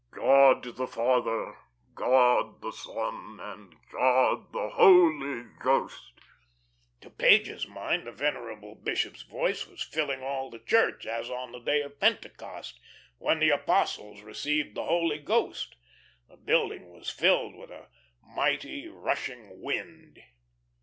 "God the Father, God the Son, and God the Holy Ghost ..." To Page's mind the venerable bishop's voice was filling all the church, as on the day of Pentecost, when the apostles received the Holy Ghost, the building was filled with a "mighty rushing wind."